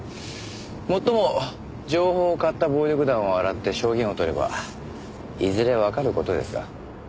もっとも情報を買った暴力団を洗って証言を取ればいずれわかる事ですが。